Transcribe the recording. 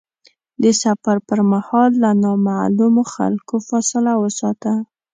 د سفر پر مهال له نامعلومو خلکو فاصله وساته.